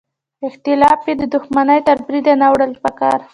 اختلاف یې د دوښمنۍ تر بریده نه وړل پکار.